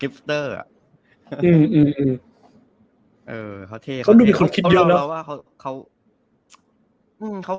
เขามีเป็นคนคิดเยอะละ